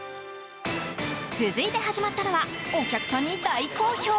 続いて始まったのはお客さんに大好評。